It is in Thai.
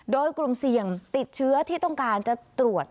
โดยกลุ่มเสี่ยงติดเชื้อที่ต้องการจะตรวจ